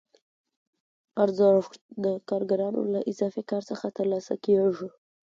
دا ارزښت د کارګرانو له اضافي کار څخه ترلاسه کېږي